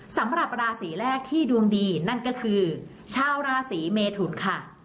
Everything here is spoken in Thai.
สำหรับราศีแรกที่ดวงดีนั่นก็คือชาวราศีเมทุนค่ะ